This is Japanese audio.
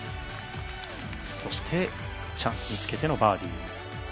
そしてチャンスにつけてのバーディー。